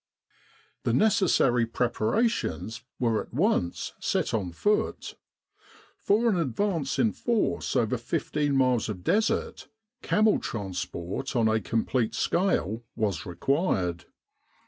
The necessary preparations were at once set on foot. For an advance in force over fifteen miles of Desert, camel transport on a complete scale was required.